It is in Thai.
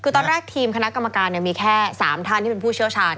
คือตอนแรกทีมคณะกรรมการมีแค่๓ท่านที่เป็นผู้เชี่ยวชาญ